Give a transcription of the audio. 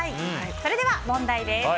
それでは問題です。